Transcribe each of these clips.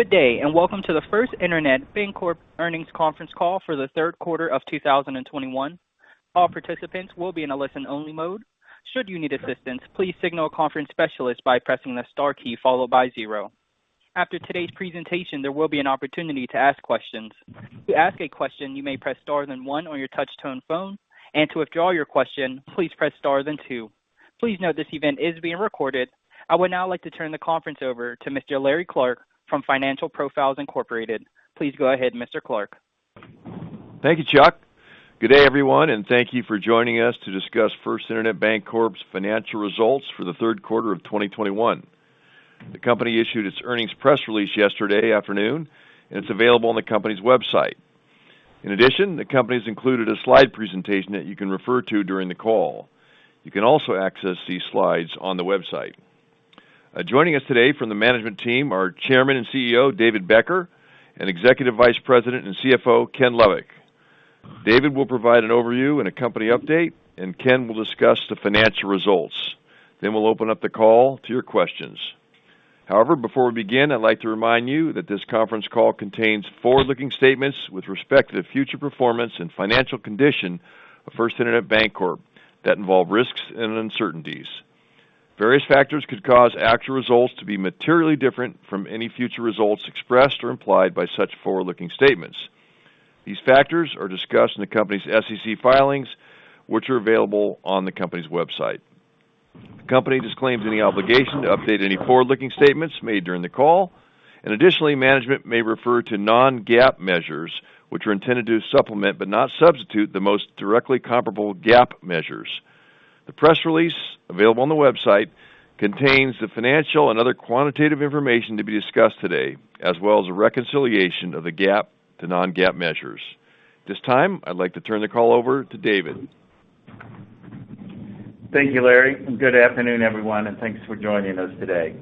Good day, and welcome to the First Internet Bancorp earnings conference call for the third quarter of 2021. I would now like to turn the conference over to Mr. Larry Clark from Financial Profiles, Inc. Please go ahead, Mr. Clark. Thank you, Chuck. Good day, everyone, and thank you for joining us to discuss First Internet Bancorp's financial results for the third quarter of 2021. The company issued its earnings press release yesterday afternoon, and it's available on the company's website. In addition, the company's included a slide presentation that you can refer to during the call. You can also access these slides on the website. Joining us today from the management team are Chairman and CEO, David Becker, and Executive Vice President and CFO, Kenneth J. Lovik. David will provide an overview and a company update, and Ken will discuss the financial results. Then we'll open up the call to your questions. However, before we begin, I'd like to remind you that this conference call contains forward-looking statements with respect to the future performance and financial condition of First Internet Bancorp that involve risks and uncertainties. Various factors could cause actual results to be materially different from any future results expressed or implied by such forward-looking statements. These factors are discussed in the company's SEC filings, which are available on the company's website. The company disclaims any obligation to update any forward-looking statements made during the call. Additionally, management may refer to non-GAAP measures, which are intended to supplement, but not substitute, the most directly comparable GAAP measures. The press release available on the website contains the financial and other quantitative information to be discussed today, as well as a reconciliation of the GAAP to non-GAAP measures. At this time, I'd like to turn the call over to David. Thank you, Larry Clark, and good afternoon, everyone, and thanks for joining us today.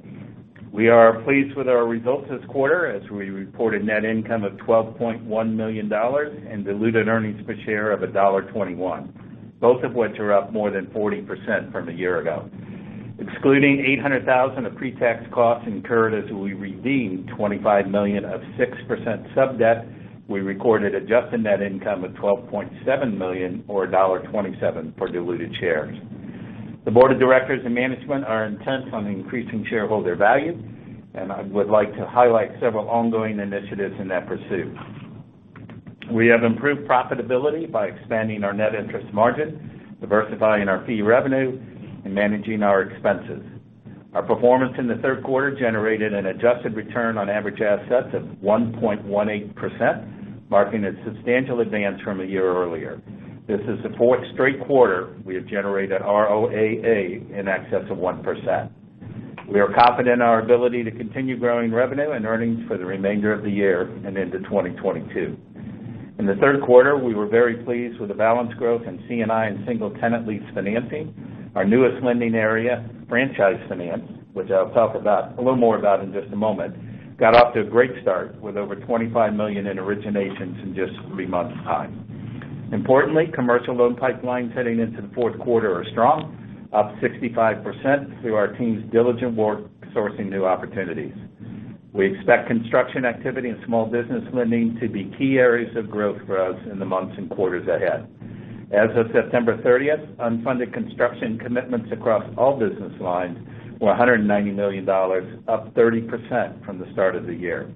We are pleased with our results this quarter as we reported net income of $12.1 million and diluted earnings per share of $1.21, both of which are up more than 40% from a year ago. Excluding $800,000 of pre-tax costs incurred as we redeemed $25 million of 6% sub-debt, we recorded adjusted net income of $12.7 million or $1.27 per diluted share. The board of directors and management are intent on increasing shareholder value, and I would like to highlight several ongoing initiatives in that pursuit. We have improved profitability by expanding our net interest margin, diversifying our fee revenue, and managing our expenses. Our performance in the third quarter generated an adjusted return on average assets of 1.18%, marking a substantial advance from a year earlier. This is the fourth straight quarter we have generated ROAA in excess of 1%. We are confident in our ability to continue growing revenue and earnings for the remainder of the year and into 2022. In the third quarter, we were very pleased with the balance growth in C&I and single-tenant lease financing. Our newest lending area, franchise finance, which I'll talk about a little more about in just a moment, got off to a great start with over $25 million in originations in just three months' time. Importantly, commercial loan pipelines heading into the fourth quarter are strong, up 65% through our team's diligent work sourcing new opportunities. We expect construction activity and small business lending to be key areas of growth for us in the months and quarters ahead. As of September 30th, unfunded construction commitments across all business lines were $190 million, up 30% from the start of the year.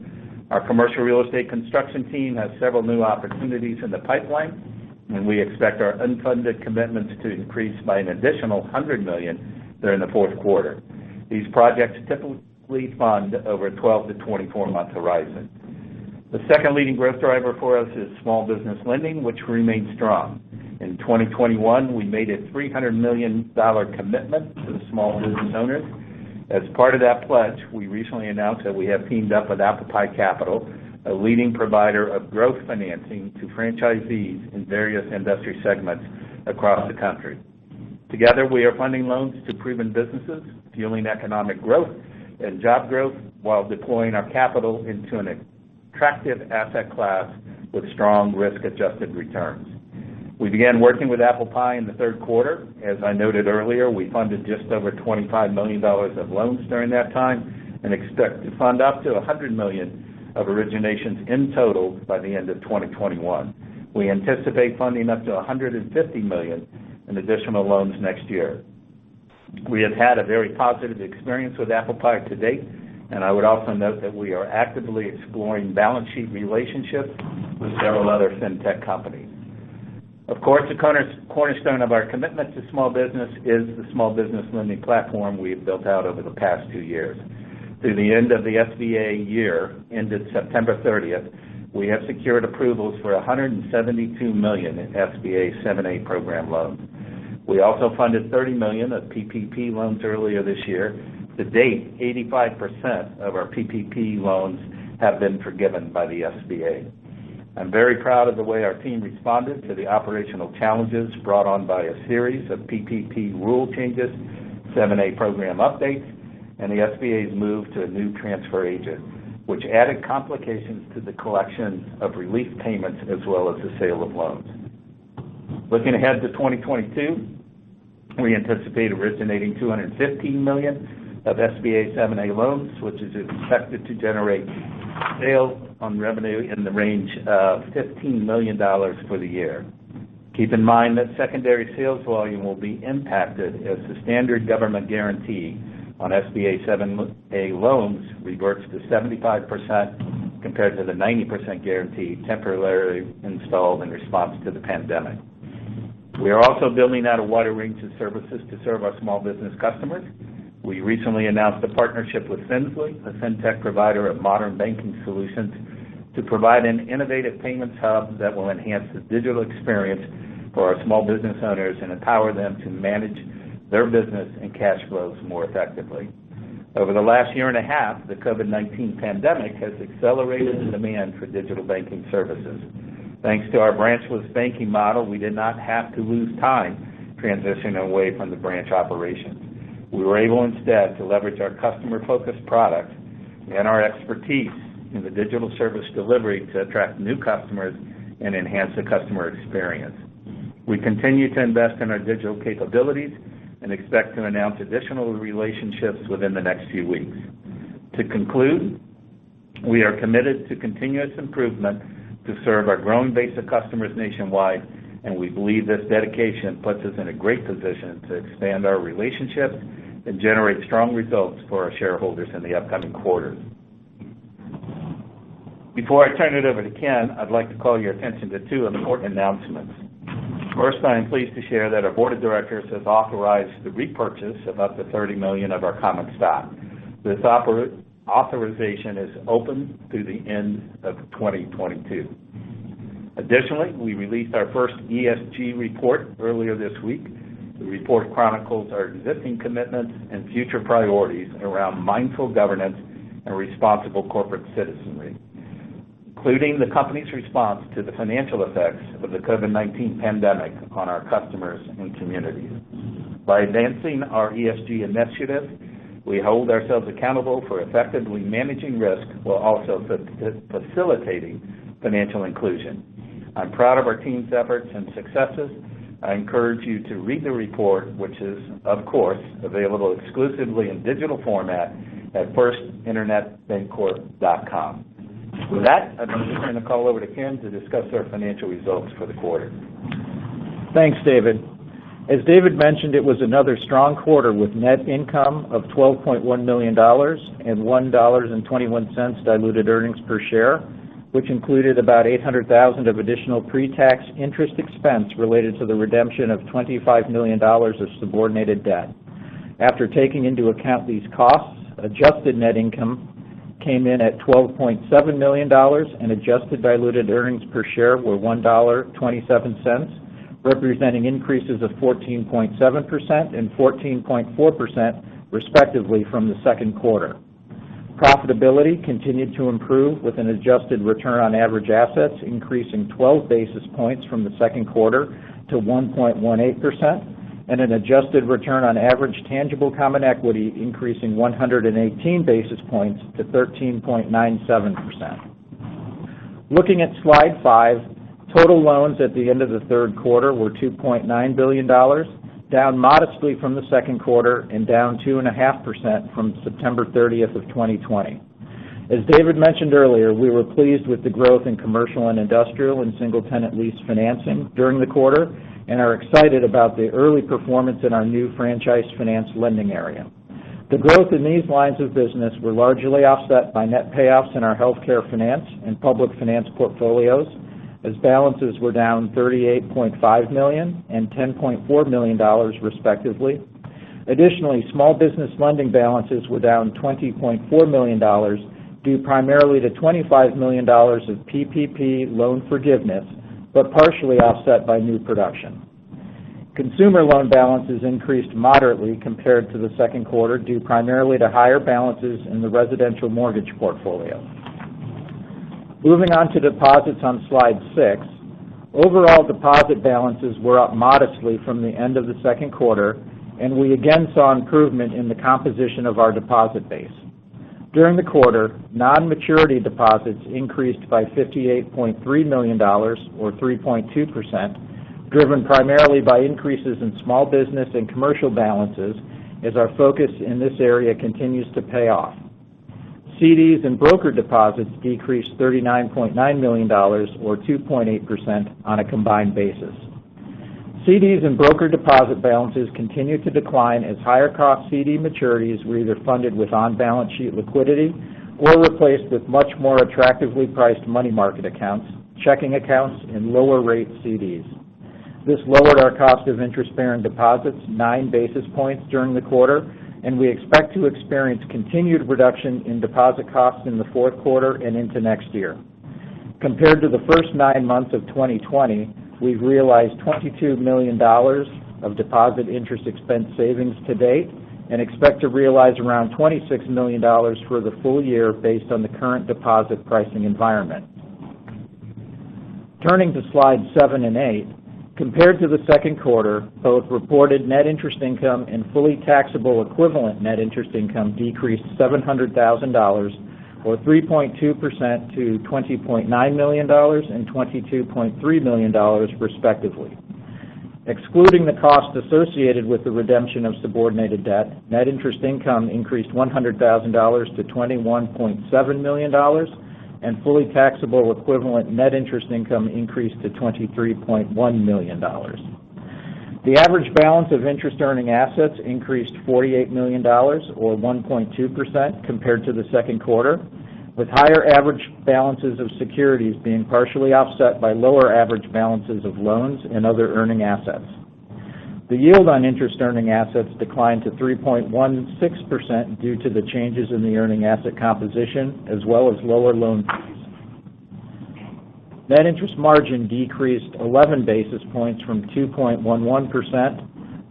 Our commercial real estate construction team has several new opportunities in the pipeline, and we expect our unfunded commitments to increase by an additional $100 million during the fourth quarter. These projects typically fund over a 12- to 24-month horizon. The second leading growth driver for us is small business lending, which remains strong. In 2021, we made a $300 million commitment to small business owners. As part of that pledge, we recently announced that we have teamed up with ApplePie Capital, a leading provider of growth financing to franchisees in various industry segments across the country. Together, we are funding loans to proven businesses, fueling economic growth and job growth while deploying our capital into an attractive asset class with strong risk-adjusted returns. We began working with ApplePie in the third quarter. As I noted earlier, we funded just over $25 million of loans during that time and expect to fund up to $100 million of originations in total by the end of 2021. We anticipate funding up to $150 million in additional loans next year. We have had a very positive experience with ApplePie to date, and I would also note that we are actively exploring balance sheet relationships with several other fintech companies. Of course, a cornerstone of our commitment to small business is the small business lending platform we've built out over the past two years. Through the end of the SBA year, ended September 30th, we have secured approvals for $172 million in SBA 7(a) program loans. We also funded $30 million of PPP loans earlier this year. To date, 85% of our PPP loans have been forgiven by the SBA. I'm very proud of the way our team responded to the operational challenges brought on by a series of PPP rule changes, 7(a) program updates, and the SBA's move to a new transfer agent, which added complications to the collection of relief payments as well as the sale of loans. Looking ahead to 2022, we anticipate originating $215 million of SBA 7(a) loans, which is expected to generate sales on revenue in the range of $15 million for the year. Keep in mind that secondary sales volume will be impacted as the standard government guarantee on SBA 7(a) loans reverts to 75%, compared to the 90% guarantee temporarily installed in response to the pandemic. We are also building out a wider range of services to serve our small business customers. We recently announced a partnership with Finzly, a fintech provider of modern banking solutions, to provide an innovative payment hub that will enhance the digital experience for our small business owners and empower them to manage their business and cash flows more effectively. Over the last year and a half, the COVID-19 pandemic has accelerated the demand for digital banking services. Thanks to our branchless banking model, we did not have to lose time transitioning away from the branch operations. We were able instead, to leverage our customer-focused products and our expertise in the digital service delivery to attract new customers and enhance the customer experience. We continue to invest in our digital capabilities and expect to announce additional relationships within the next few weeks. To conclude, we are committed to continuous improvement to serve our growing base of customers nationwide, and we believe this dedication puts us in a great position to expand our relationships and generate strong results for our shareholders in the upcoming quarters. Before I turn it over to Ken, I'd like to call your attention to two important announcements. First, I am pleased to share that our board of directors has authorized the repurchase of up to $30 million of our common stock. This authorization is open through the end of 2022. Additionally, we released our first ESG report earlier this week. The report chronicles our existing commitments and future priorities around mindful governance and responsible corporate citizenry, including the company's response to the financial effects of the COVID-19 pandemic on our customers and communities. By advancing our ESG initiatives, we hold ourselves accountable for effectively managing risk, while also facilitating financial inclusion. I'm proud of our team's efforts and successes. I encourage you to read the report, which is, of course, available exclusively in digital format at firstinternetbancorp.com. With that, I'm going to turn the call over to Ken to discuss our financial results for the quarter. Thanks, David. As David mentioned, it was another strong quarter, with net income of $12.1 million and $1.21 diluted earnings per share, which included about $800,000 of additional pre-tax interest expense related to the redemption of $25 million of subordinated debt. After taking into account these costs, adjusted net income came in at $12.7 million, and adjusted diluted earnings per share were $1.27, representing increases of 14.7% and 14.4% respectively from the second quarter. Profitability continued to improve with an adjusted return on average assets increasing 12 basis points from the second quarter to 1.18%, and an adjusted return on average tangible common equity increasing 118 basis points to 13.97%. Looking at slide 5, total loans at the end of the third quarter were $2.9 billion, down modestly from the second quarter and down 2.5% from September 30, 2020. As David mentioned earlier, we were pleased with the growth in commercial and industrial and single-tenant lease financing during the quarter, and are excited about the early performance in our new franchise finance lending area. The growth in these lines of business were largely offset by net payoffs in our health care finance and public finance portfolios, as balances were down $38.5 million and $10.4 million respectively. Additionally, small business lending balances were down $20.4 million, due primarily to $25 million of PPP loan forgiveness, but partially offset by new production. Consumer loan balances increased moderately compared to the second quarter, due primarily to higher balances in the residential mortgage portfolio. Moving on to deposits on slide 6. Overall deposit balances were up modestly from the end of the second quarter, and we again saw improvement in the composition of our deposit base. During the quarter, non-maturity deposits increased by $58.3 million, or 3.2%, driven primarily by increases in small business and commercial balances as our focus in this area continues to pay off. CDs and brokered deposits decreased $39.9 million, or 2.8%, on a combined basis. CDs and brokered deposit balances continued to decline as higher-cost CD maturities were either funded with on-balance sheet liquidity or replaced with much more attractively priced money market accounts, checking accounts and lower rate CDs. This lowered our cost of interest-bearing deposits 9 basis points during the quarter, and we expect to experience continued reduction in deposit costs in the fourth quarter and into next year. Compared to the first nine months of 2020, we've realized $22 million of deposit interest expense savings to date, and expect to realize around $26 million for the full year based on the current deposit pricing environment. Turning to slide 7 and 8. Compared to the second quarter, both reported net interest income and fully taxable equivalent net interest income decreased $700,000 or 3.2% to $20.9 million and $22.3 million respectively. Excluding the cost associated with the redemption of subordinated debt, net interest income increased $100,000 to $21.7 million, and fully taxable equivalent net interest income increased to $23.1 million. The average balance of interest-earning assets increased $48 million, or 1.2% compared to the second quarter, with higher average balances of securities being partially offset by lower average balances of loans and other earning assets. The yield on interest-earning assets declined to 3.16% due to the changes in the earning asset composition, as well as lower loan fees. Net interest margin decreased 11 basis points from 2.11%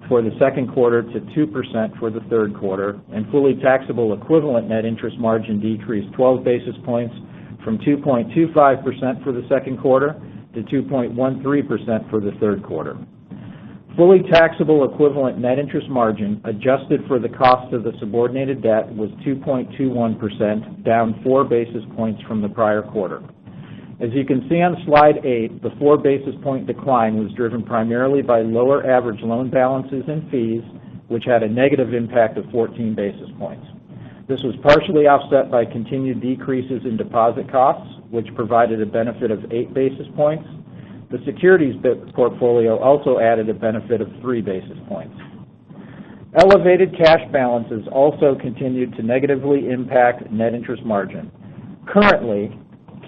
for the second quarter to 2% for the third quarter, and fully taxable equivalent net interest margin decreased 12 basis points from 2.25% for the second quarter to 2.13% for the third quarter. Fully taxable equivalent net interest margin, adjusted for the cost of the subordinated debt, was 2.21%, down 4 basis points from the prior quarter. As you can see on slide 8, the 4 basis point decline was driven primarily by lower average loan balances and fees, which had a negative impact of 14 basis points. This was partially offset by continued decreases in deposit costs, which provided a benefit of 8 basis points. The securities portfolio also added a benefit of 3 basis points. Elevated cash balances also continued to negatively impact net interest margin. Currently,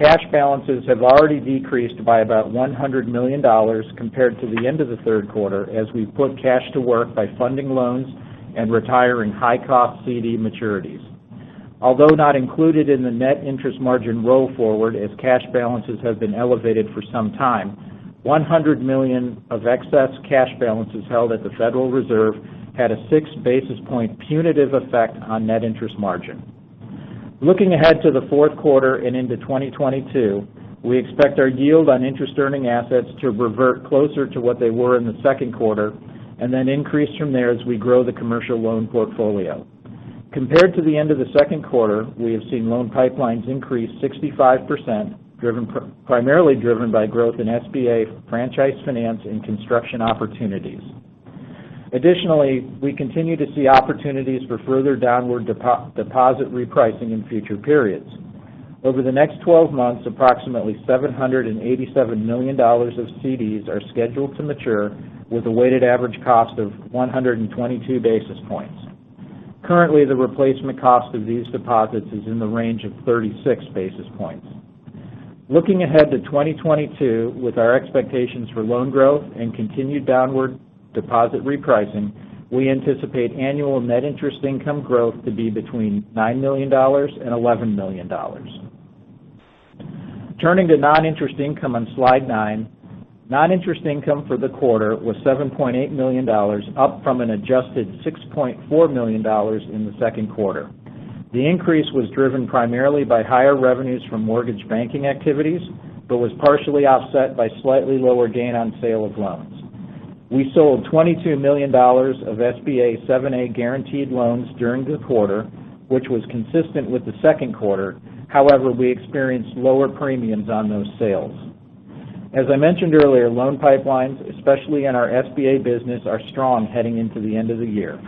cash balances have already decreased by about $100 million compared to the end of the third quarter, as we put cash to work by funding loans and retiring high-cost CD maturities. Although not included in the net interest margin roll forward, as cash balances have been elevated for some time, $100 million of excess cash balances held at the Federal Reserve had a 6 basis point punitive effect on net interest margin. Looking ahead to the fourth quarter and into 2022, we expect our yield on interest-earning assets to revert closer to what they were in the second quarter, and then increase from there as we grow the commercial loan portfolio. Compared to the end of the second quarter, we have seen loan pipelines increase 65%, primarily driven by growth in SBA, franchise finance, and construction opportunities. Additionally, we continue to see opportunities for further downward deposit repricing in future periods. Over the next 12 months, approximately $787 million of CDs are scheduled to mature with a weighted average cost of 122 basis points. Currently, the replacement cost of these deposits is in the range of 36 basis points. Looking ahead to 2022, with our expectations for loan growth and continued downward deposit repricing, we anticipate annual net interest income growth to be between $9 million and $11 million. Turning to non-interest income on slide 9. Non-interest income for the quarter was $7.8 million, up from an adjusted $6.4 million in the second quarter. The increase was driven primarily by higher revenues from mortgage banking activities but was partially offset by slightly lower gain on sale of loans. We sold $22 million of SBA 7(a) guaranteed loans during the quarter, which was consistent with the second quarter. However, we experienced lower premiums on those sales. As I mentioned earlier, loan pipelines, especially in our SBA business, are strong heading into the end of the year.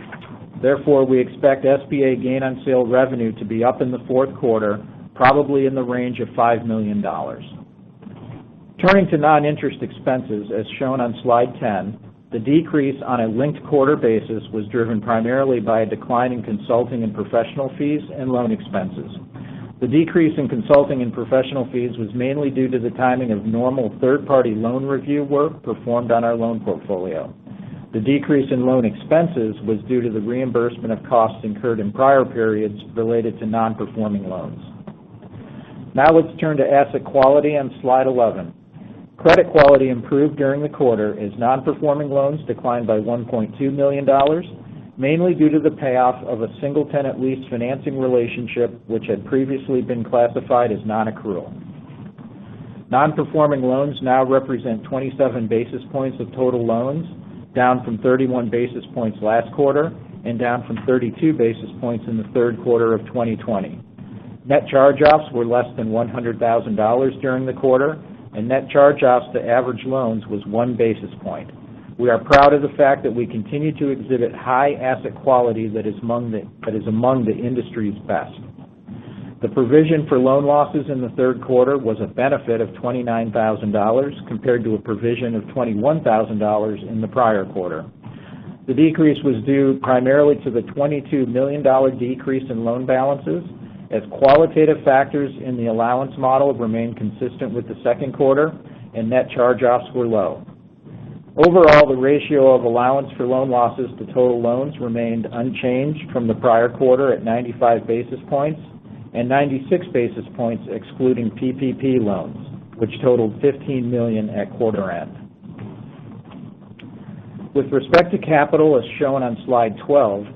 Therefore, we expect SBA gain on sale revenue to be up in the fourth quarter, probably in the range of $5 million. Turning to non-interest expenses, as shown on slide 10. The decrease on a linked-quarter basis was driven primarily by a decline in consulting and professional fees and loan expenses. The decrease in consulting and professional fees was mainly due to the timing of normal third-party loan review work performed on our loan portfolio. The decrease in loan expenses was due to the reimbursement of costs incurred in prior periods related to non-performing loans. Now let's turn to asset quality on slide 11. Credit quality improved during the quarter as non-performing loans declined by $1.2 million, mainly due to the payoff of a single-tenant lease financing relationship, which had previously been classified as non-accrual. Non-performing loans now represent 27 basis points of total loans, down from 31 basis points last quarter and down from 32 basis points in the third quarter of 2020. Net charge-offs were less than $100,000 during the quarter, and net charge-offs to average loans was 1 basis point. We are proud of the fact that we continue to exhibit high asset quality that is among the industry's best. The provision for loan losses in the third quarter was a benefit of $29,000, compared to a provision of $21,000 in the prior quarter. The decrease was due primarily to the $22 million decrease in loan balances, as qualitative factors in the allowance model remained consistent with the second quarter and net charge-offs were low. Overall, the ratio of allowance for loan losses to total loans remained unchanged from the prior quarter at 95 basis points, and 96 basis points excluding PPP loans, which totaled $15 million at quarter end. With respect to capital, as shown on slide 12,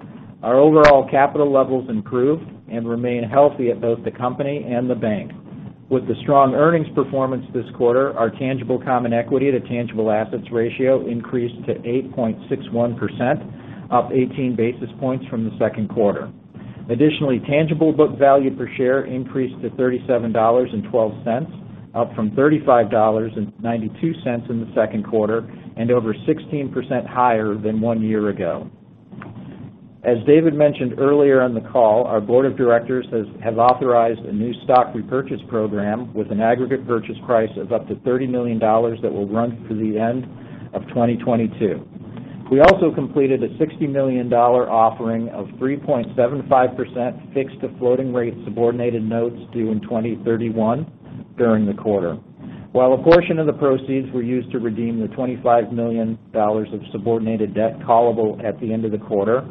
our overall capital levels improved and remain healthy at both the company and the bank. With the strong earnings performance this quarter, our tangible common equity to tangible assets ratio increased to 8.61%, up 18 basis points from the second quarter. Additionally, tangible book value per share increased to $37.12, up from $35.92 in the second quarter, and over 16% higher than one year ago. As David mentioned earlier on the call, our board of directors has authorized a new stock repurchase program with an aggregate purchase price of up to $30 million that will run through the end of 2022. We also completed a $60 million offering of 3.75% fixed-to-floating rate subordinated notes due in 2031 during the quarter. While a portion of the proceeds were used to redeem the $25 million of subordinated debt callable at the end of the quarter,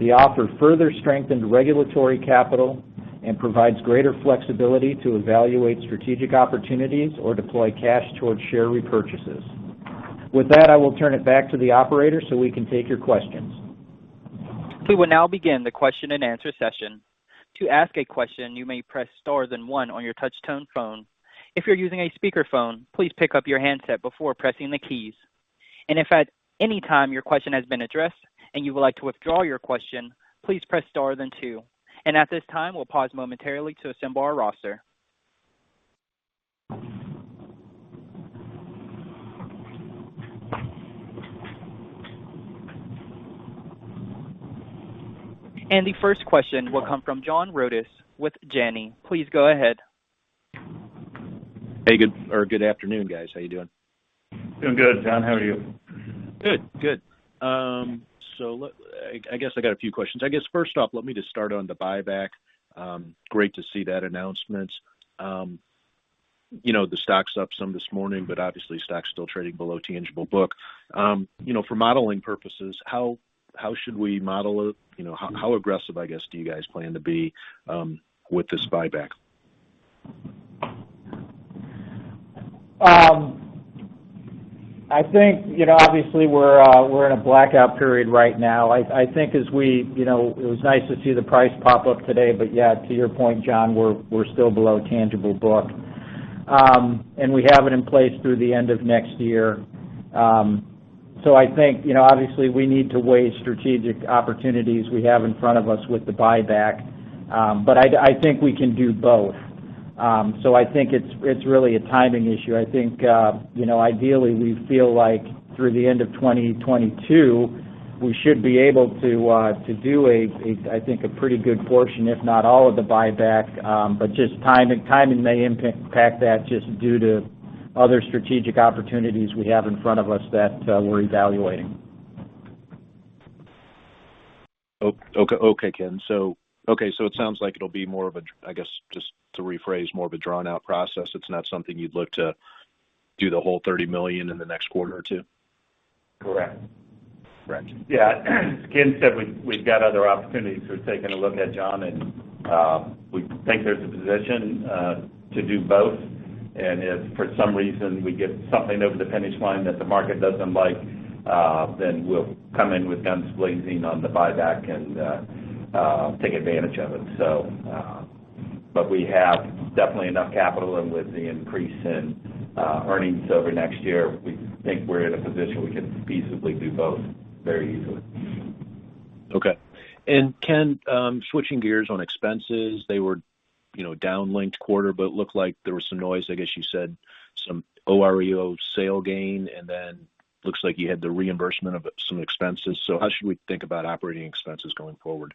the offer further strengthened regulatory capital and provides greater flexibility to evaluate strategic opportunities or deploy cash towards share repurchases. With that, I will turn it back to the operator so we can take your questions. We will now begin the question and answer session. To ask a question, you may press star then one on your touch-tone phone. If you're using a speakerphone, please pick up your handset before pressing the keys. If at any time your question has been addressed and you would like to withdraw your question, please press star then two. At this time, we'll pause momentarily to assemble our roster. The first question will come from John Rodis with Janney. Please go ahead. Hey. Good afternoon, guys. How you doing? Doing good, John. How are you? Good. I guess I got a few questions. I guess first off, let me just start on the buyback. Great to see that announcement. The stock's up some this morning, but obviously stock's still trading below tangible book. For modeling purposes, how should we model it? How aggressive, I guess, do you guys plan to be with this buyback? I think, obviously we're in a blackout period right now. I think it was nice to see the price pop up today, but yeah, to your point, John, we're still below tangible book. We have it in place through the end of next year. I think, obviously we need to weigh strategic opportunities we have in front of us with the buyback. I think we can do both. I think it's really a timing issue. I think, ideally we feel like through the end of 2022, we should be able to do I think, a pretty good portion, if not all of the buyback. Just timing may impact that just due to other strategic opportunities we have in front of us that we're evaluating. Okay, Ken. It sounds like it'll be more of a, I guess, just to rephrase, more of a drawn-out process. It's not something you'd look to do the whole $30 million in the next quarter or two? Correct. Correct. Yeah. As Ken said, we've got other opportunities we're taking a look at, John, and we think there's a position to do both. If for some reason we get something over the finish line that the market doesn't like, then we'll come in with guns blazing on the buyback and take advantage of it. We have definitely enough capital, and with the increase in earnings over next year, we think we're in a position we can feasibly do both very easily. Okay. Ken, switching gears on expenses. They were down linked-quarter, looked like there was some noise, I guess you said, some OREO sale gain, and then looks like you had the reimbursement of some expenses. How should we think about operating expenses going forward?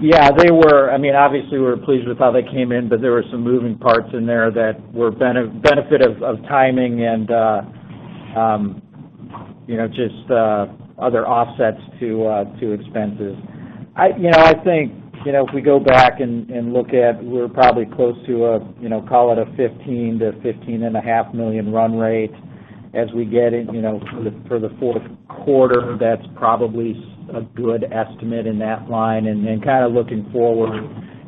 Yeah. Obviously we were pleased with how they came in, but there were some moving parts in there that were benefit of timing and just other offsets to expenses. I think, if we go back and look at, we're probably close to a, call it a $15 million-$15.5 million run rate as we get in for the fourth quarter. That's probably a good estimate in that line. Kind of looking forward,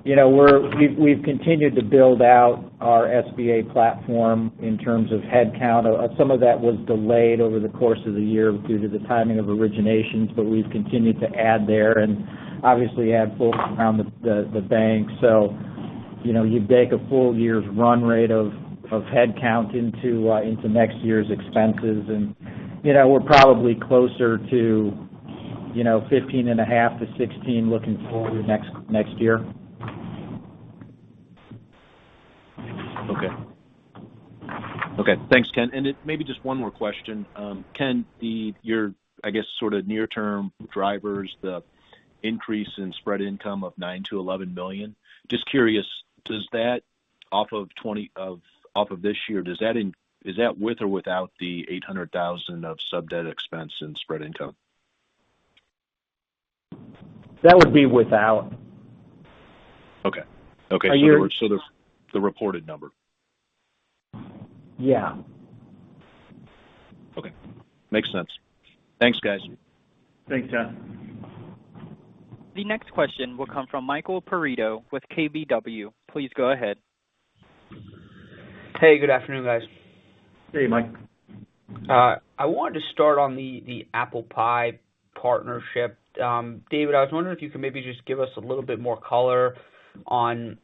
we've continued to build out our SBA platform in terms of headcount. Some of that was delayed over the course of the year due to the timing of originations, we've continued to add there and obviously add folks around the bank. You bake a full year's run rate of headcount into next year's expenses, and we're probably closer to $15.5 million-$16 million looking forward next year. Okay. Thanks, Ken. Maybe just one more question. Ken, your, I guess, sort of near-term drivers, the increase in spread income of $9 million-$11 million. Just curious, does that off of this year, is that with or without the $800,000 of sub-debt expense and spread income? That would be without. Okay. Are you- The reported number. Yeah. Okay. Makes sense. Thanks, guys. Thanks, John. The next question will come from Michael Perito with KBW. Please go ahead. Hey, good afternoon, guys. Hey, Michael. I wanted to start on the ApplePie partnership. David, I was wondering if you could maybe just give us a little bit more color on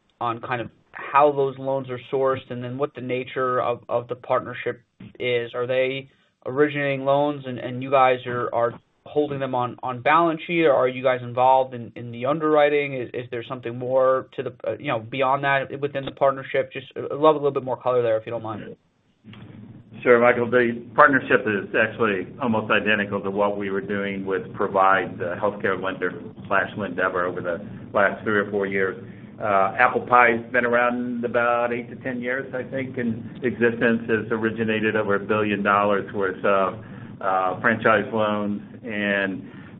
how those loans are sourced, and then what the nature of the partnership is? Are they originating loans and you guys are holding them on balance sheet, or are you guys involved in the underwriting? Is there something more beyond that within the partnership? Just would love a little bit more color there, if you don't mind. Sure, Michael. The partnership is actually almost identical to what we were doing with Provide, formerly Lendeavor over the last three or four years. ApplePie's been around about eight to 10 years, I think, in existence. It's originated over $1 billion worth of franchise loans.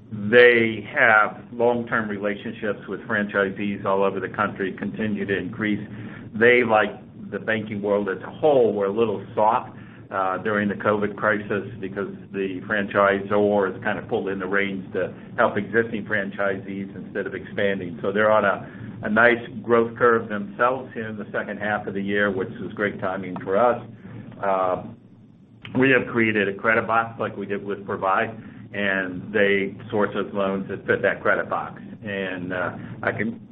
They have long-term relationships with franchisees all over the country, continue to increase. They, like the banking world as a whole, were a little soft during the COVID crisis because the franchisor has kind of pulled in the reins to help existing franchisees instead of expanding. They're on a nice growth curve themselves here in the second half of the year, which was great timing for us. We have created a credit box like we did with Provide. They source us loans that fit that credit box. I can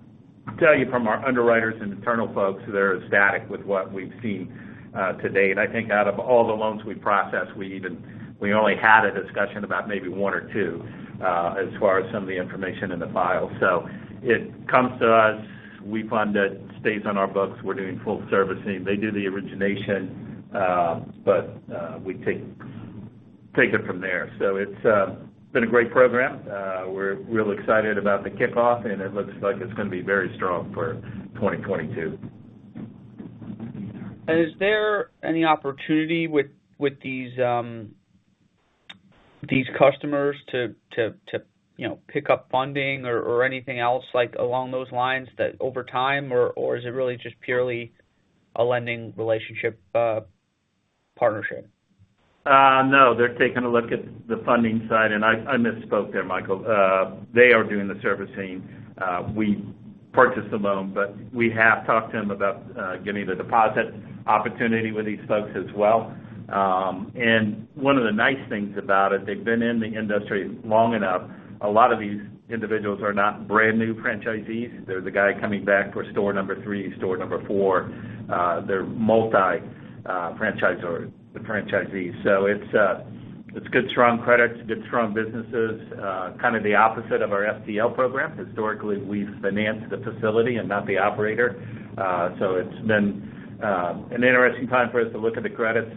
tell you from our underwriters and internal folks, they're ecstatic with what we've seen to date. I think out of all the loans we processed, we only had a discussion about maybe one or two as far as some of the information in the file. It comes to us, we fund it stays on our books. We're doing full servicing. They do the origination, we take it from there. It's been a great program. We're real excited about the kickoff, and it looks like it's going to be very strong for 2022. Is there any opportunity with these customers to pick up funding or anything else along those lines over time, or is it really just purely a lending relationship partnership? No. They're taking a look at the funding side. I misspoke there, Michael. They are doing the servicing. We purchase the loan. We have talked to them about getting the deposit opportunity with these folks as well. One of the nice things about it, they've been in the industry long enough. A lot of these individuals are not brand-new franchisees. They're the guy coming back for store number three, store number four. They're multi-franchisor franchisees. It's good, strong credits, good, strong businesses. Kind of the opposite of our STL program. Historically, we've financed the facility and not the operator. It's been an interesting time for us to look at the credits.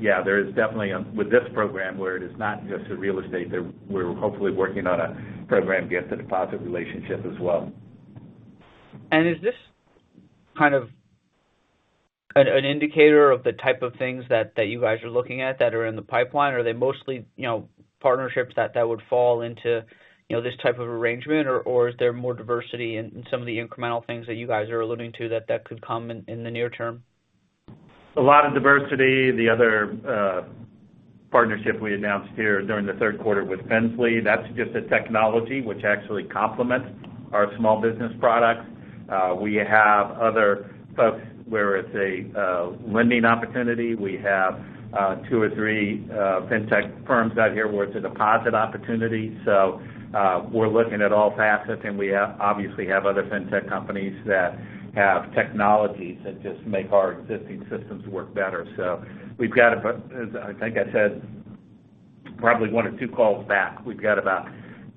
Yeah, there is definitely, with this program where it is not just a real estate, we're hopefully working on a program to get the deposit relationship as well. Is this kind of an indicator of the type of things that you guys are looking at that are in the pipeline? Are they mostly partnerships that would fall into this type of arrangement, or is there more diversity in some of the incremental things that you guys are alluding to that could come in the near term? A lot of diversity. The other partnership we announced here during the third quarter with Finzly, that's just a technology which actually complements our small business products. We have other folks where it's a lending opportunity. We have two or three fintech firms out here where it's a deposit opportunity. We're looking at all facets, and we obviously have other fintech companies that have technologies that just make our existing systems work better. We've got, I think I said probably one or two calls back. We've got about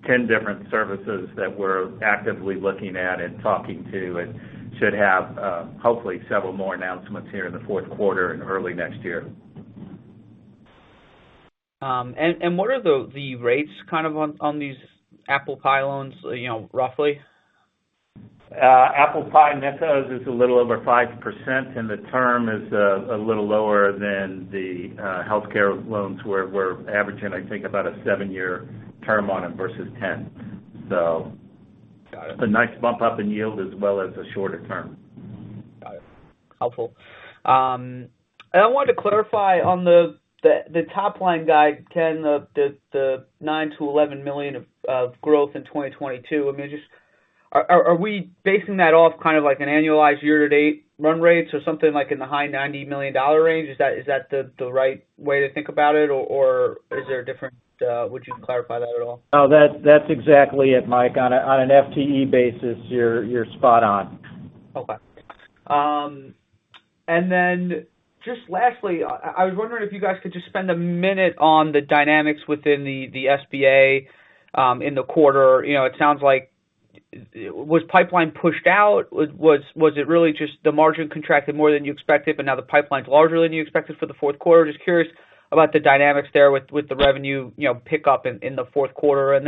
10 different services that we're actively looking at and talking to and should have hopefully several more announcements here in the fourth quarter and early next year. what are the rates on these ApplePie loans, roughly? ApplePie net ROAs is a little over 5%, and the term is a little lower than the healthcare loans, where we're averaging, I think, about a seven-year term on them versus 10. Got it. It's a nice bump up in yield as well as a shorter term. Got it. Helpful. I wanted to clarify on the top line guide, Ken, the $9 million-$11 million of growth in 2022. Are we basing that off kind of like an annualized year-to-date run rates or something like in the high $90 million range? Is that the right way to think about it, or would you clarify that at all? No, that's exactly it, Mike. On an FTE basis, you're spot on. Okay. Just lastly, I was wondering if you guys could just spend a minute on the dynamics within the SBA in the quarter. Was pipeline pushed out? Was it really just the margin contracted more than you expected, but now the pipeline's larger than you expected for the fourth quarter? Just curious about the dynamics there with the revenue pickup in the fourth quarter.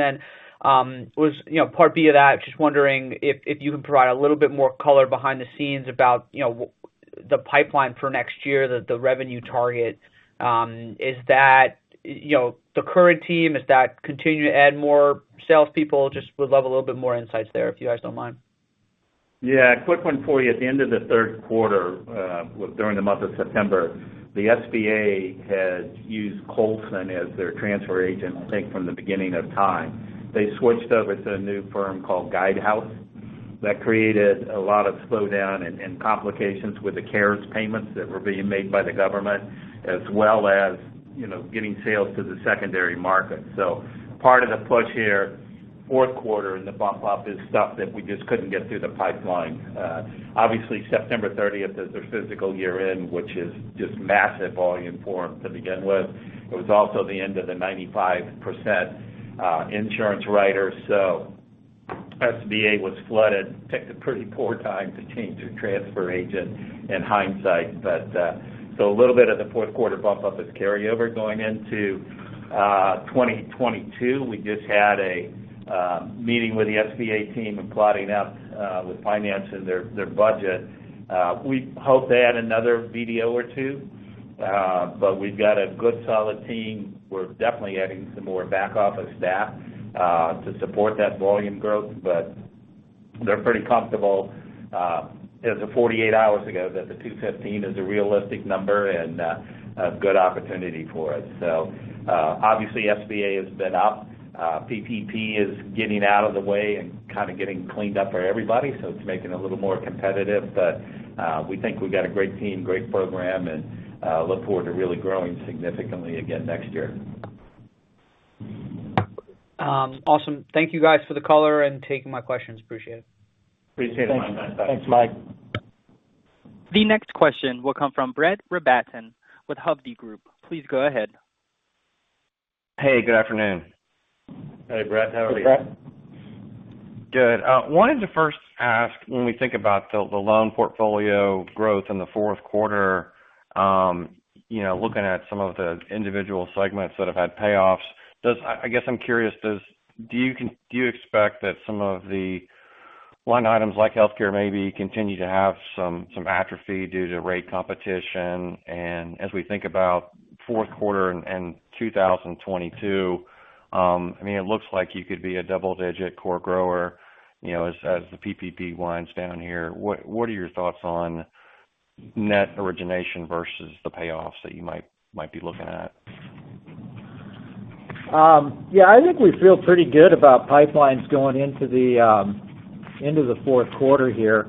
Part B of that, just wondering if you can provide a little bit more color behind the scenes about the pipeline for next year, the revenue target. The current team, is that continuing to add more salespeople? Just would love a little bit more insights there, if you guys don't mind. Yeah. A quick one for you. At the end of the third quarter, during the month of September, the SBA had used Colson as their transfer agent, I think from the beginning of time. They switched over to a new firm called Guidehouse. That created a lot of slowdown and complications with the CARES payments that were being made by the government, as well as getting sales to the secondary market. Part of the push here, fourth quarter, and the bump up is stuff that we just couldn't get through the pipeline. Obviously, September 30th is their fiscal year-end, which is just massive volume for them to begin with. It was also the end of the 95% insurance rider. SBA was flooded. Picked a pretty poor time to change their transfer agent in hindsight. A little bit of the fourth quarter bump-up is carryover going into 2022. We just had a meeting with the SBA team and plotting out with finance and their budget. We hope to add another BDO or two. We've got a good solid team. We're definitely adding some more back office staff to support that volume growth, but they're pretty comfortable. As of 48 hours ago, that the $215 million is a realistic number and a good opportunity for us. Obviously, SBA has been up. PPP is getting out of the way and kind of getting cleaned up for everybody, so it's making it a little more competitive. We think we've got a great team, great program, and look forward to really growing significantly again next year. Awesome. Thank you guys for the call and taking my questions. Appreciate it. Appreciate it, Mike. Thanks, Mike. The next question will come from Brett Rabatin with Hovde Group. Please go ahead. Hey, good afternoon. Hey, Brett. How are you? Hey, Brett. Good. Wanted to first ask when we think about the loan portfolio growth in the fourth quarter, looking at some of the individual segments that have had payoffs, I guess I'm curious, do you expect that some of the line items like healthcare maybe continue to have some atrophy due to rate competition? As we think about fourth quarter and 2022, it looks like you could be a double-digit core grower, as the PPP winds down here. What are your thoughts on net origination versus the payoffs that you might be looking at? Yeah, I think we feel pretty good about pipelines going into the end of the fourth quarter here.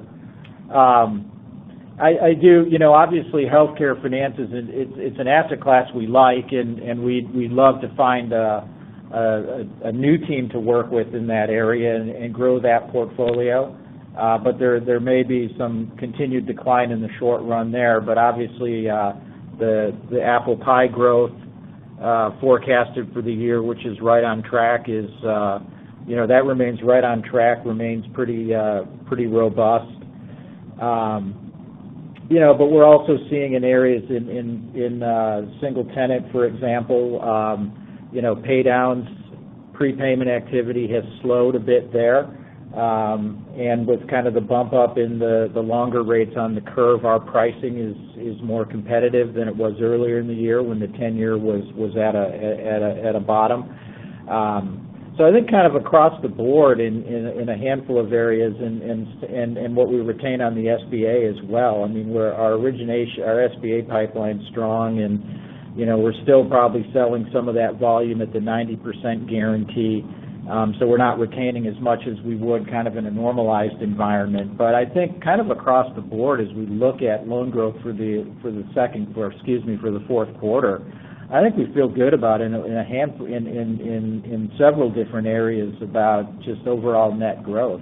Obviously, healthcare finance is an asset class we like, and we'd love to find a new team to work with in that area and grow that portfolio. There may be some continued decline in the short run there. Obviously, the ApplePie Capital growth forecasted for the year, which is right on track, that remains right on track, remains pretty robust. We're also seeing in areas in single-tenant, for example, pay downs, prepayment activity has slowed a bit there. With kind of the bump up in the longer rates on the curve, our pricing is more competitive than it was earlier in the year when the 10-year was at a bottom. I think kind of across the board in a handful of areas and what we retain on the SBA as well. Our SBA pipeline's strong and we're still probably selling some of that volume at the 90% guarantee. We're not retaining as much as we would kind of in a normalized environment. I think kind of across the board as we look at loan growth for the fourth quarter, I think we feel good about in several different areas about just overall net growth.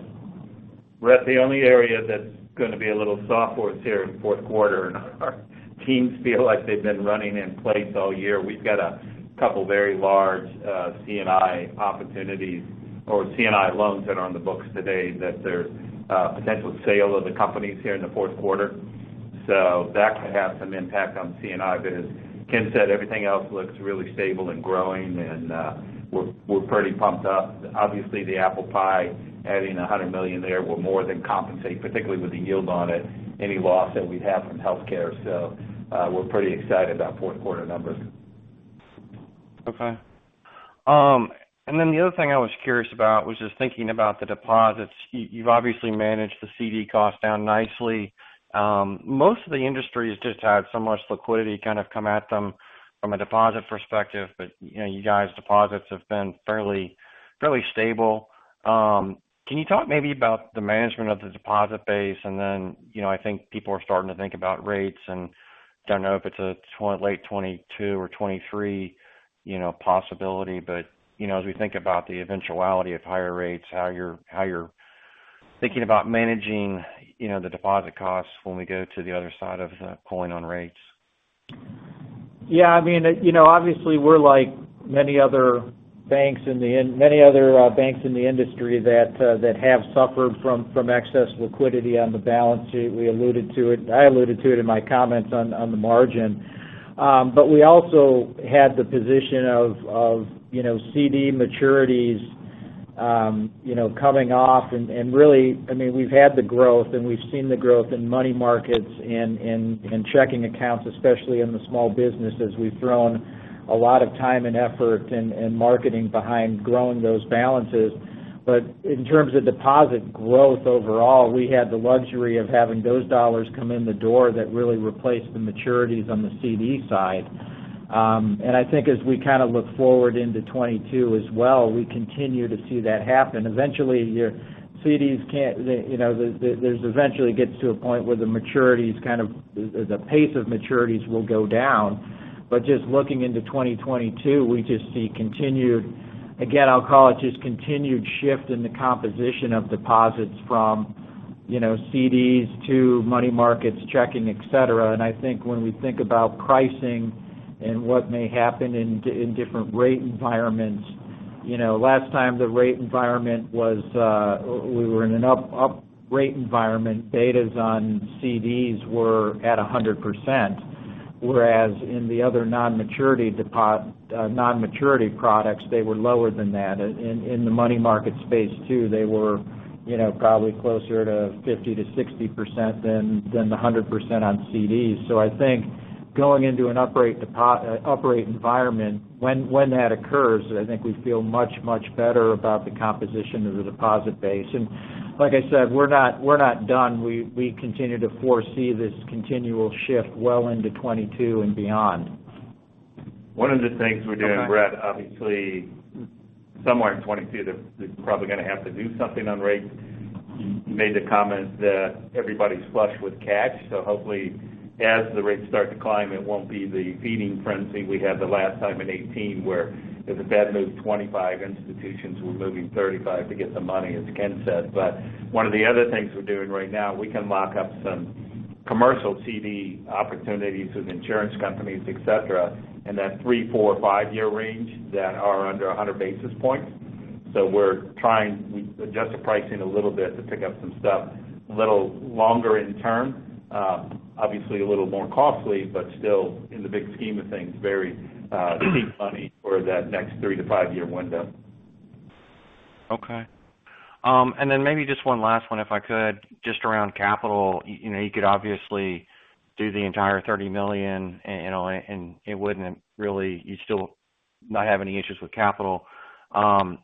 Brett Rabatin, the only area that's going to be a little soft for us here in the fourth quarter. Our teams feel like they've been running in place all year. We've got a couple of very large C&I opportunities or C&I loans that are on the books today that their potential sale of the companies here in the fourth quarter. That could have some impact on C&I. As Ken said, everything else looks really stable and growing and we're pretty pumped up. Obviously, the ApplePie, adding $100 million there will more than compensate, particularly with the yield on it, any loss that we'd have from healthcare. We're pretty excited about fourth quarter numbers. Okay. The other thing I was curious about was just thinking about the deposits. You've obviously managed the CD cost down nicely. Most of the industry just had so much liquidity kind of come at them from a deposit perspective, but you guys' deposits have been fairly stable. Can you talk maybe about the management of the deposit base? I think people are starting to think about rates, and don't know if it's a late 2022 or 2023 possibility. As we think about the eventuality of higher rates, how you're thinking about managing the deposit costs when we go to the other side of the coin on rates? Yeah. Obviously, we're like many other banks in the industry that have suffered from excess liquidity on the balance sheet. I alluded to it in my comments on the margin. We also had the position of CD maturities coming off, and really, we've had the growth, and we've seen the growth in money markets and in checking accounts, especially in the small business, as we've thrown a lot of time and effort and marketing behind growing those balances. In terms of deposit growth overall, we had the luxury of having those dollars come in the door that really replaced the maturities on the CD side. I think as we look forward into 2022 as well, we continue to see that happen. Eventually, CDs, there's eventually gets to a point where the pace of maturities will go down. Just looking into 2022, we just see continued, again, I'll call it just continued shift in the composition of deposits from CDs to money markets, checking, et cetera. I think when we think about pricing and what may happen in different rate environments, last time we were in an up rate environment, betas on CDs were at 100%, whereas in the other non-maturity products, they were lower than that. In the money market space, too, they were probably closer to 50%-60% than the 100% on CDs. I think going into an up rate environment, when that occurs, I think we feel much, much better about the composition of the deposit base. Like I said, we're not done. We continue to foresee this continual shift well into 2022 and beyond. One of the things we're doing, Brett Rabatin, obviously somewhere in 2022, they're probably going to have to do something on rates. You made the comment that everybody's flush with cash. Hopefully as the rates start to climb, it won't be the feeding frenzy we had the last time in 2018 where if a Fed moved 25 basis points, institutions were moving 35 basis points to get the money, as Ken said. One of the other things we're doing right now, we can lock up some commercial CD opportunities with insurance companies, et cetera, in that three-, four-, five-year range that are under 100 basis points. We're trying, we adjust the pricing a little bit to pick up some stuff a little longer in term. Obviously, a little more costly, but still in the big scheme of things, very cheap money for that next three- to five-year window. Okay. Maybe just one last one, if I could, just around capital. You could obviously do the entire $30 million, you still not have any issues with capital. I'm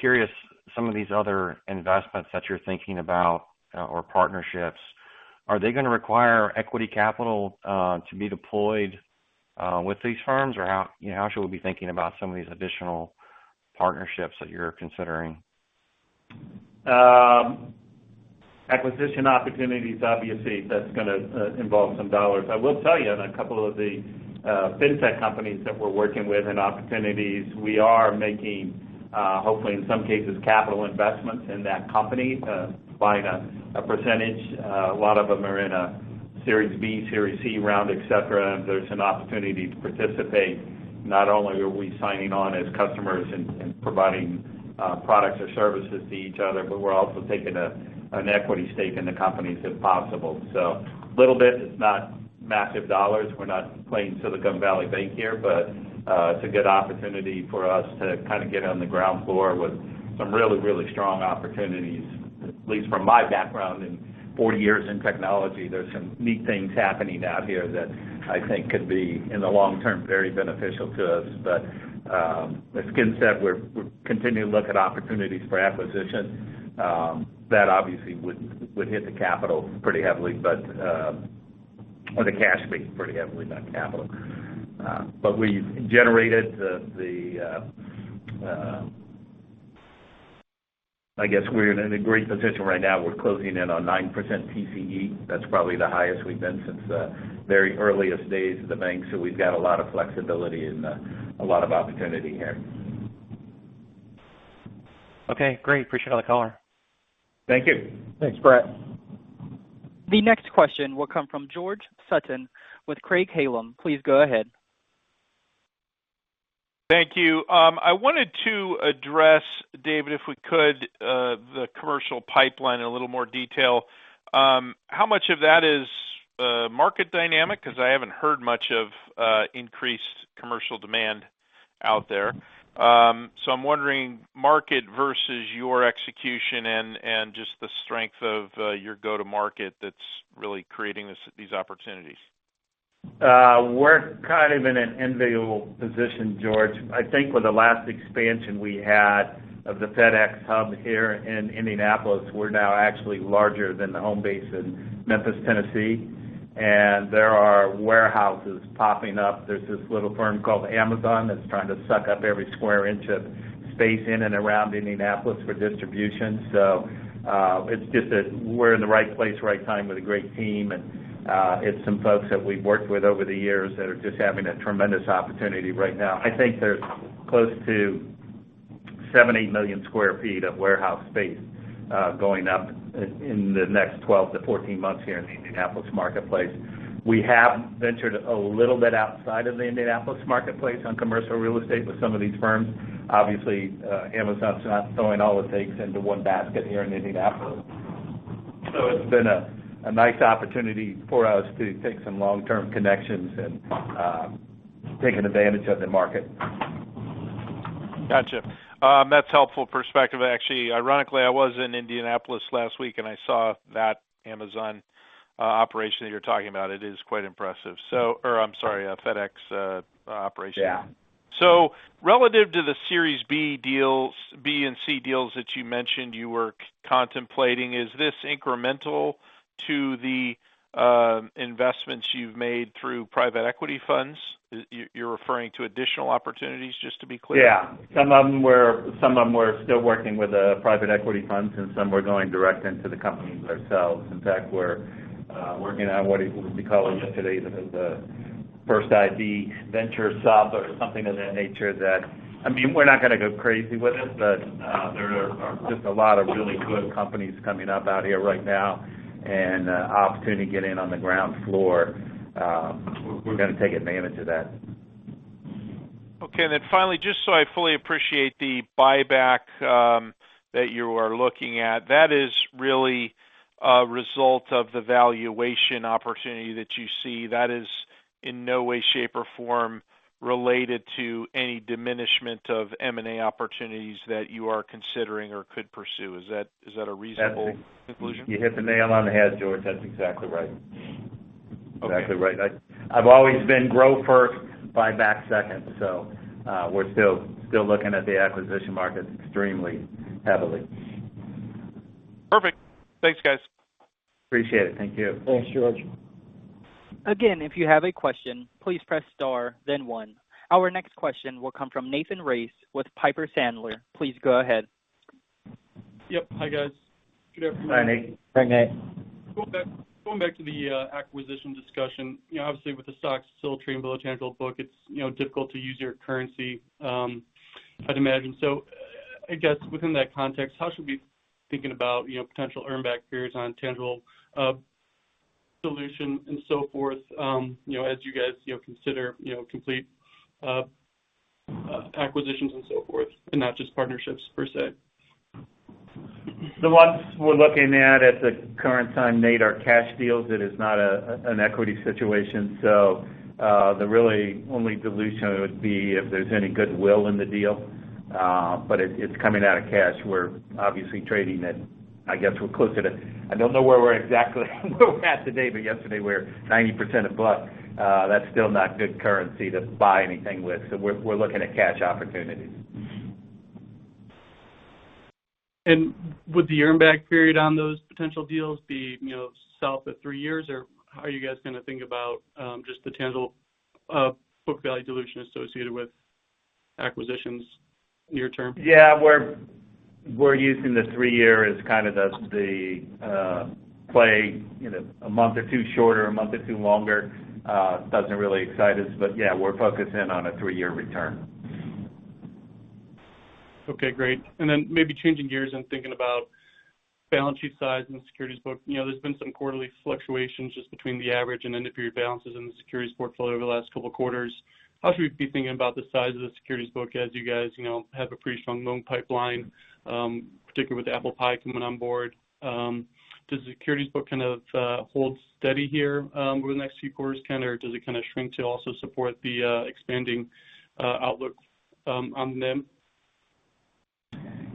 curious, some of these other investments that you're thinking about or partnerships, are they going to require equity capital to be deployed with these firms, or how should we be thinking about some of these additional partnerships that you're considering? Acquisition opportunities, obviously, that's going to involve some dollars. I will tell you, in two of the fintech companies that we're working with and opportunities, we are making, hopefully in some cases, capital investments in that company, buying a percentage. A lot of them are in a Series B, Series C round, et cetera, and there's an opportunity to participate. Not only are we signing on as customers and providing products or services to each other, but we're also taking an equity stake in the companies if possible. A little bit, it's not massive dollars. We're not playing Silicon Valley Bank here, but it's a good opportunity for us to kind of get on the ground floor with some really, really strong opportunities. At least from my background in 40 years in technology, there's some neat things happening out here that I think could be, in the long term, very beneficial to us. As Kenneth J. Lovik said, we're continuing to look at opportunities for acquisition. That obviously would hit the capital pretty heavily, Or the cash pretty heavily, not capital. I guess we're in a great position right now. We're closing in on 9% TCE. That's probably the highest we've been since the very earliest days of the bank. We've got a lot of flexibility and a lot of opportunity here. Okay, great. Appreciate all the color. Thank you. Thanks, Brett. The next question will come from George Sutton with Craig-Hallum. Please go ahead. Thank you. I wanted to address, David, if we could, the commercial pipeline in a little more detail. How much of that is market dynamic? I haven't heard much of increased commercial demand out there. I'm wondering, market versus your execution and just the strength of your go-to market that's really creating these opportunities. We're kind of in an enviable position, George. I think with the last expansion we had of the FedEx hub here in Indianapolis, we're now actually larger than the home base in Memphis, Tennessee. There are warehouses popping up. There's this little firm called Amazon that's trying to suck up every square inch of space in and around Indianapolis for distribution. It's just that we're in the right place, right time with a great team. It's some folks that we've worked with over the years that are just having a tremendous opportunity right now. I think there's close to 7 million-8 million square feet of warehouse space going up in the next 12-14 months here in the Indianapolis marketplace. We have ventured a little bit outside of the Indianapolis marketplace on commercial real estate with some of these firms. Obviously, Amazon's not throwing all its eggs into one basket here in Indianapolis. It's been a nice opportunity for us to take some long-term connections and taking advantage of the market. Got you. That's helpful perspective. Actually, ironically, I was in Indianapolis last week, and I saw that Amazon operation that you're talking about. It is quite impressive. I'm sorry, FedEx operation. Yeah. Relative to the Series B and C deals that you mentioned you were contemplating, is this incremental to the investments you've made through private equity funds? You're referring to additional opportunities, just to be clear. Yeah. Some of them we're still working with private equity funds, and some we're going direct into the companies ourselves. In fact, we're working on what we call today the First IB Venture Sub or something of that nature. We're not going to go crazy with this, but there are just a lot of really good companies coming up out here right now, and the opportunity to get in on the ground floor. We're going to take advantage of that. Okay. Finally, just so I fully appreciate the buyback that you are looking at, that is really a result of the valuation opportunity that you see. That is in no way, shape, or form related to any diminishment of M&A opportunities that you are considering or could pursue. Is that a reasonable conclusion? You hit the nail on the head, George. That's exactly right. Okay. Exactly right. I've always been grow first, buyback second. We're still looking at the acquisition market extremely heavily. Perfect. Thanks, guys. Appreciate it. Thank you. Thanks, George. Again, if you have a question, please press star then one. Our next question will come from Nathan Race with Piper Sandler. Please go ahead. Yep. Hi, guys. Good afternoon. Hi, Nate. Hi, Nate. Going back to the acquisition discussion. Obviously with the stock still trading below tangible book, it's difficult to use your currency, I'd imagine. I guess within that context, how should we be thinking about potential earnback periods on tangible book dilution and so forth as you guys consider complete acquisitions and so forth, and not just partnerships per se? The ones we're looking at at the current time, Nathan Race, are cash deals. It is not an equity situation. The really only dilution would be if there's any goodwill in the deal. It's coming out of cash. We're obviously trading at, yesterday we were 90% above. That's still not good currency to buy anything with. We're looking at cash opportunities. Would the earnback period on those potential deals be south of three years? How are you guys going to think about just the tangible book value dilution associated with acquisitions near-term? Yeah. We're using the three-year as kind of the play. A month or two shorter, a month or two longer, doesn't really excite us. Yeah, we're focusing on a three-year return. Okay, great. Maybe changing gears and thinking about balance sheet size and the securities book. There's been some quarterly fluctuations just between the average and end-of-year balances in the securities portfolio over the last couple of quarters. How should we be thinking about the size of the securities book as you guys have a pretty strong loan pipeline, particularly with ApplePie coming on board? Does the securities book kind of hold steady here over the next few quarters, Ken, or does it kind of shrink to also support the expanding outlook on NIM?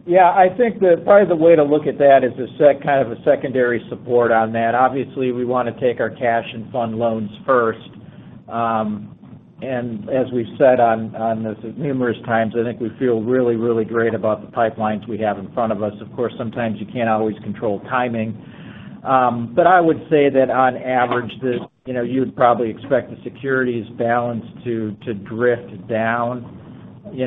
Yeah, I think that probably the way to look at that is to set kind of a secondary support on that. Obviously, we want to take our cash and fund loans first. As we've said on this numerous times, I think we feel really, really great about the pipelines we have in front of us. Of course, sometimes you can't always control timing. I would say that on average that you would probably expect the securities balance to drift down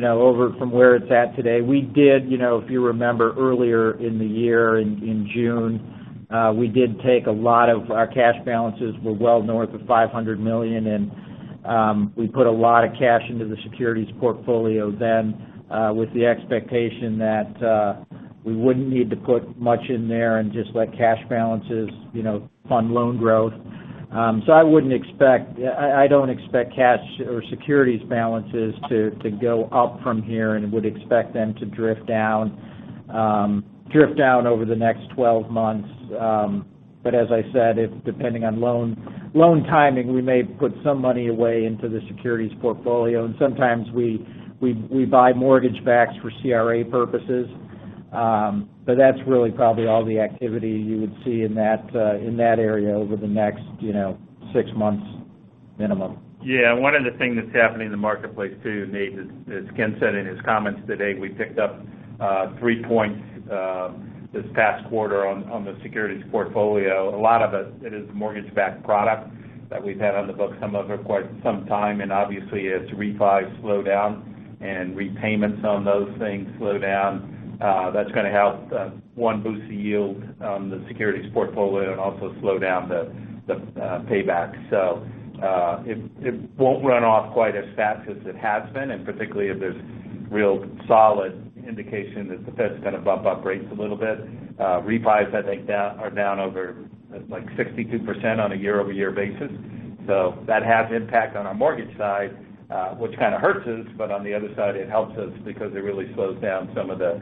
over from where it's at today. If you remember earlier in the year, in June, we did take a lot of our cash balances, we're well north of $500 million, and we put a lot of cash into the securities portfolio then with the expectation that we wouldn't need to put much in there and just let cash balances fund loan growth. I don't expect cash or securities balances to go up from here and would expect them to drift down over the next 12 months. As I said, depending on loan timing, we may put some money away into the securities portfolio, and sometimes we buy mortgage-backs for CRA purposes. That's really probably all the activity you would see in that area over the next 6 months minimum. Yeah. One of the things that's happening in the marketplace too, Nate, as Ken said in his comments today, we picked up three points this past quarter on the securities portfolio. A lot of it is mortgage-backed product that we've had on the books, some of it quite some time. Obviously as refis slow down and repayments on those things slow down, that's going to help, one, boost the yield on the securities portfolio and also slow down the payback. It won't run off quite as fast as it has been, and particularly if there's real solid indication that the Fed's going to bump up rates a little bit. Refis, I think, are down over like 62% on a year-over-year basis. That has impact on our mortgage side which kind of hurts us, but on the other side, it helps us because it really slows down some of the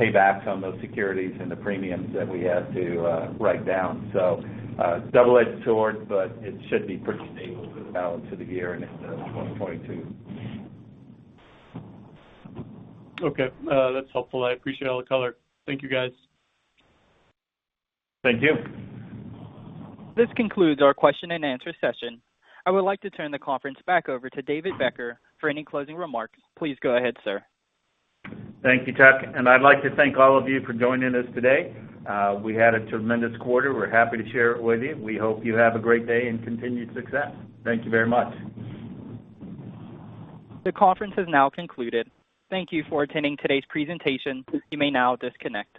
paybacks on those securities and the premiums that we have to write down. A double-edged sword, but it should be pretty stable for the balance of the year and into 2022. Okay. That's helpful. I appreciate all the color. Thank you, guys. Thank you. This concludes our question and answer session. I would like to turn the conference back over to David Becker for any closing remarks. Please go ahead, sir. Thank you, Chuck. I'd like to thank all of you for joining us today. We had a tremendous quarter. We're happy to share it with you. We hope you have a great day and continued success. Thank you very much. The conference is now concluded. Thank you for attending today's presentation. You may now disconnect.